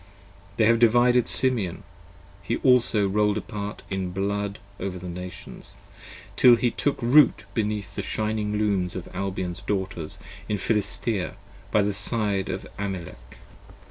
They have divided Simeon: he also roll'd apart in blood 45 Over the Nations, till he took Root beneath the shining Looms Of Albion's Daughters in Philistea by the side of Amalek.